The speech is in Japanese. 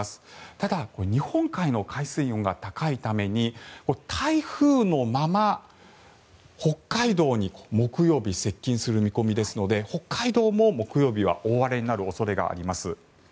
ただ、日本海の海水温が高いために台風のまま北海道に木曜日、接近する見込みですので北海道も木曜日は大荒れになる恐れがあります。